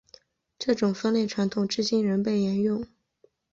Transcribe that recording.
这种分类传统至今仍被沿用。